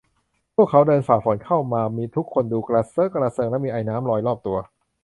พวกเขาเดินฝ่าฝนเข้ามา ทุกคนดูกระเซอะกระเซิงและมีไอน้ำลอยรอบตัว